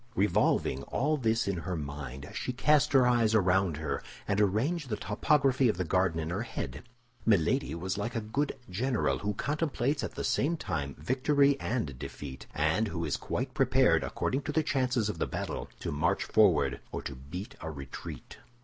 Revolving all this in her mind, she cast her eyes around her, and arranged the topography of the garden in her head. Milady was like a good general who contemplates at the same time victory and defeat, and who is quite prepared, according to the chances of the battle, to march forward or to beat a retreat.